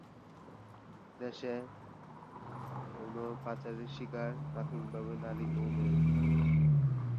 দেশে যৌন পাচারের শিকার, প্রাথমিকভাবে নারী ও মেয়েরা।